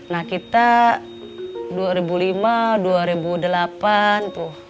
nah kita dua ribu lima dua ribu delapan tuh